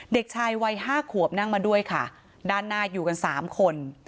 เด็กชายวัยห้าขวบนั่งมาด้วยค่ะด้านหน้าอยู่กันสามคน